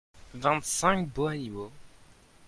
vingt cinq beaux animaux.